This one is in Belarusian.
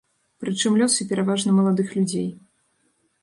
Прычым лёсы пераважна маладых людзей.